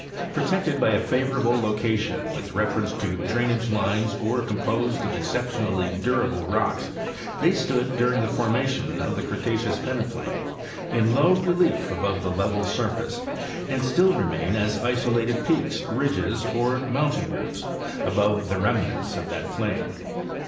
Protected by a favorable location with reference to drainage lines or com posed of exceptionally durable rocks, they stood during the formation of the Cretaceous peneplain in low relief above the "2 Cretaceous Peneplain. 69 level surface and still remain as isolated peaks, ridges or moun tain groups above the remnants of that plain.